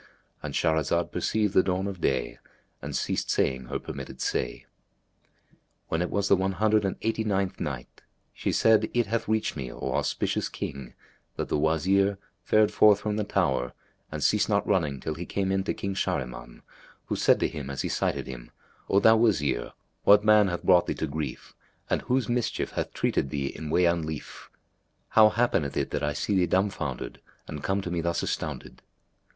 —And Shahrazad perceived the dawn of day and ceased saying her permitted say. When it was the One Hundred and Eighty nineth Night, She said, It hath reached me, O auspicious King, that the Wazir, fared forth from the tower, and ceased not running till he came in to King Shahriman, who said to him as he sighted him, "O thou Wazir, what man hath brought thee to grief and whose mischief hath treated thee in way unlief; how happeneth it that I see thee dumb foundered and coming to me thus astounded?"